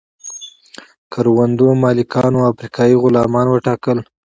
کروندو مالکانو افریقایي غلامان وټاکل.